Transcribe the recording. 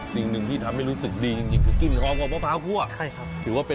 สิ่งหนึ่งที่ทำให้รู้สึกดีจริงคือกินความอ่อนกว่าพร้าวคั่วใช่ครับ